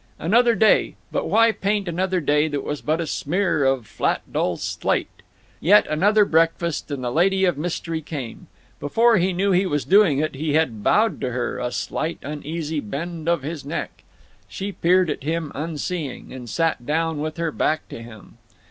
Another day—but why paint another day that was but a smear of flat dull slate? Yet another breakfast, and the lady of mystery came. Before he knew he was doing it he had bowed to her, a slight uneasy bend of his neck. She peered at him, unseeing, and sat down with her back to him.